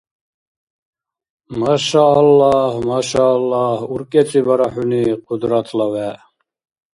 Машааллагь, машааллагь, уркӀецӀибара хӀуни, Кьудратла вегӀ.